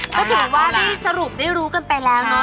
ก็ถือว่าได้สรุปได้รู้กันไปแล้วเนาะ